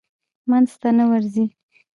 منځ ته نه ورځي.